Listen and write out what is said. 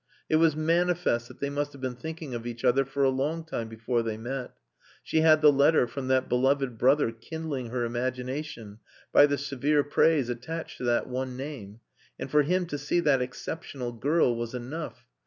It was manifest that they must have been thinking of each other for a long time before they met. She had the letter from that beloved brother kindling her imagination by the severe praise attached to that one name; and for him to see that exceptional girl was enough.